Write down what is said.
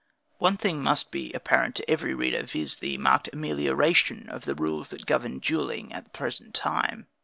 One thing must be apparent to every reader, viz., the marked amelioration of the rules that govern in duelling at the present time.